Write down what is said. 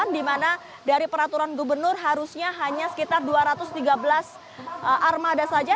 di mana dari peraturan gubernur harusnya hanya sekitar dua ratus tiga belas armada saja